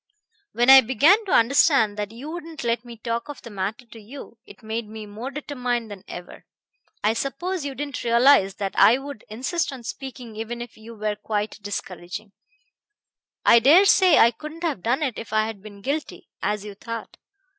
When I began to understand that you wouldn't let me talk of the matter to you, it made me more determined than ever. I suppose you didn't realize that I would insist on speaking even if you were quite discouraging. I dare say I couldn't have done it if I had been guilty, as you thought.